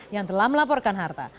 yang telah melaporkan harta